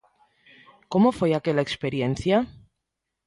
Como foi aquela experiencia?